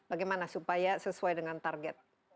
bagaimana supaya sesuai dengan target